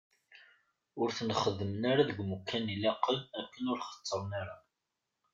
Ur ten-xeddmen ara deg yimukan i ilaqen akken ur xettren ara.